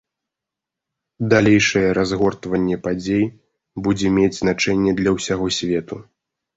Далейшае разгортванне падзей будзе мець значэнне для ўсяго свету.